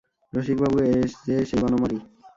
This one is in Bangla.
রসিকবাবু– এ যে সেই বনমালী!